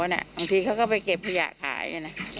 บางทีเค้าก็ไปเก็บพุยักษ์หายเลย